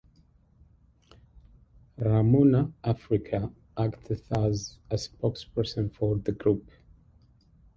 Ramona Africa acts as a spokesperson for the group.